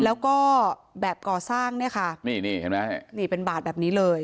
แล้วก็แบบก่อสร้างเนี่ยค่ะนี่นี่เห็นไหมนี่เป็นบาทแบบนี้เลย